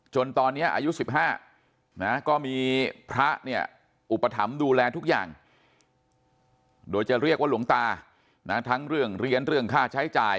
จนตอนนี้อายุ๑๕นะก็มีพระเนี่ยอุปถัมภ์ดูแลทุกอย่างโดยจะเรียกว่าหลวงตานะทั้งเรื่องเรียนเรื่องค่าใช้จ่าย